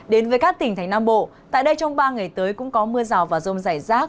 đến với các tỉnh thành nam bộ tại đây trong ba ngày tới cũng có mưa rào và rông rải rác